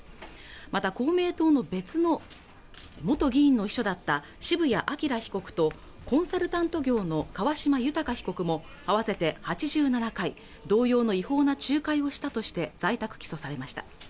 また公明党の別の元議員の秘書だった渋谷朗被告とコンサルタント業の川島裕被告も合わせて８７回同様の違法な仲介をしたとして在宅起訴されました